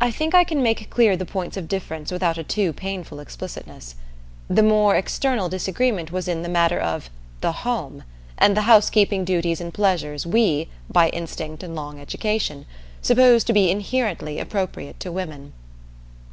I think I can make clear the points of difference without a too painful explicitness. The more external disagreement was in the matter of "the home," and the housekeeping duties and pleasures we, by instinct and long education, supposed to be inherently appropriate to women.